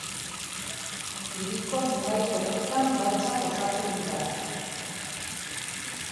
Hiriko zenbait tokitan baltsak osatu dira.